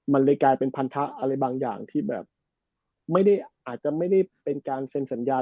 มันเลยกลายเป็นพันธะอะไรบางอย่างที่แบบไม่ได้อาจจะไม่ได้เป็นการเซ็นสัญญา